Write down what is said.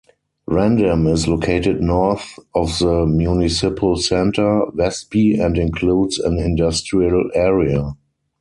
Randem is located north of the municipal centre, Vestby, and includes an industrial area.